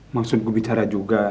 maksudku bicara juga